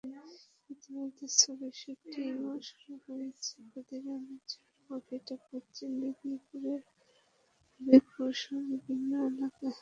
ইতিমধ্যে ছবির শুটিংও শুরু হয়েছে ক্ষুদিরামের জন্মভিটা পশ্চিম মেদিনীপুরের হাবিবপুরসহ বিভিন্ন এলাকায়।